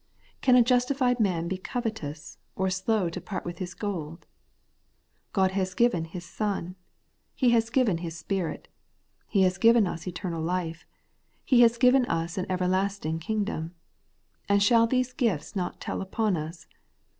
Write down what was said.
Can a justified man be covetous, or slow to part with his gold ? God has given His Son ; He has given His Spirit ; He has given us eternal life ; He has given us an everlasting king dom. And shall these gifts not teU upon us